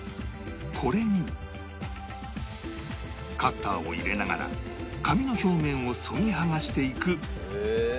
これにカッターを入れながら紙の表面をそぎ剥がしていく